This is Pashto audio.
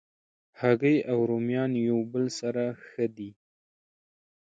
هګۍ او رومیان یو بل سره ښه دي.